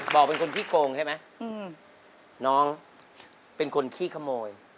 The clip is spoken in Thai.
บอกเป็นคนขี้โกงใช่ไหมน้องเป็นคนขี้ขโมย